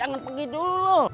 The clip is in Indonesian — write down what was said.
jangan pergi dulu